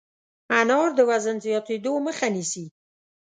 انار د وزن زیاتېدو مخه نیسي.